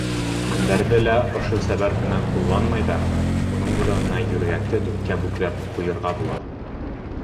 Мендәрҙе лә ошо сәбәп менән ҡулланмайҙар, уның урынына йүргәкте дүрткә бөкләп ҡуйырға була.